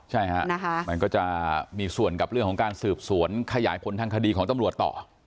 ใช่ค่ะมันก็จะมีส่วนกับเรื่องของการสืบสวนขยายผลทางคดีของตำรวจต่อ